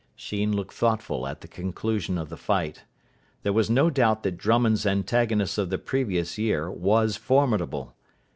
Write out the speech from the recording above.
Sheen looked thoughtful at the conclusion of the fight. There was no doubt that Drummond's antagonist of the previous year was formidable.